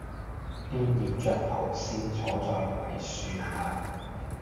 便搖著蒲扇坐在槐樹下，